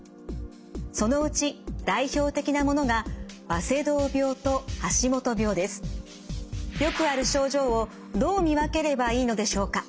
そのうち代表的なものがよくある症状をどう見分ければいいのでしょうか？